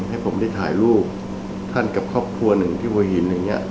ให้ผมได้ถ่ายรูปท่านกับครอบครัวหนึ่งที่ว่าหิน